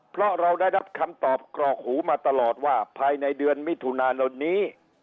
เพราะเราได้รับคำตอบกรอกหูมาตลอดว่าภายในเดือนมิถุนายนนี้